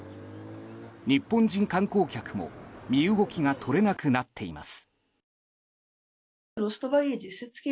日本人観光客も身動きが取れなくなっています。